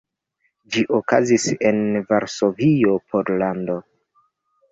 Ĝi okazis en Varsovio, Pollando.